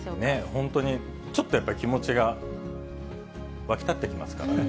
本当に、ちょっとやっぱり気持ちがわきたってきますからね。